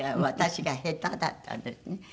私が下手だったんですね。